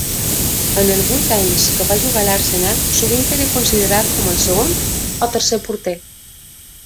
En els vuit anys que va jugar a l'Arsenal, sovint era considerat com el segon o tercer porter.